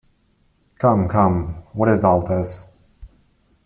Come, come, what is all this?